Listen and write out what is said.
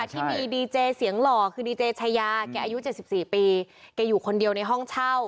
ที่มีดีเจเสียงหล่อคือดีเจชายาแกอายุ๗๔ปีแกอยู่คนเดียวในห้องเช่า